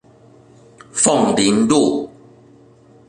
鳳林路